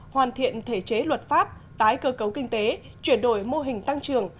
hoàn thiện thể chế luật pháp tái cơ cấu kinh tế chuyển đổi mô hình tăng trưởng